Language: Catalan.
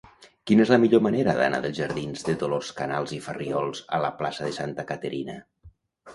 Quina és la millor manera d'anar dels jardins de Dolors Canals i Farriols a la plaça de Santa Caterina?